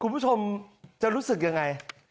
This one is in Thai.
คุณผู้ชมจะรู้สึกยังไง